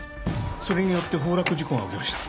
それによって崩落事故が起きました。